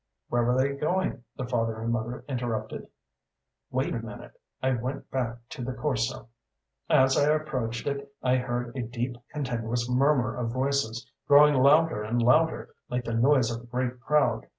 "Where were they going?" the father and mother interrupted. "Wait a minute. I went back to the Corso. As I approached it I heard a deep, continuous murmur of voices, growing louder and louder, like the noise of a great crowd.